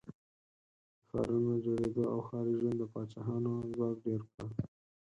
د ښارونو د جوړېدو او ښاري ژوند د پاچاهانو ځواک ډېر کړ.